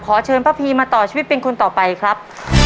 ขอเชิญพระพีมาต่อช่วยเป็นคนต่อไปครับ